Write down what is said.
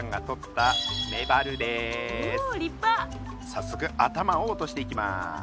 さっそく頭を落としていきます。